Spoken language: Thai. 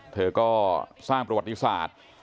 เธอก็สร้างประวัติศาสตร์